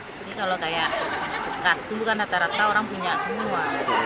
jadi kalau kayak itu bukan rata rata orang punya semua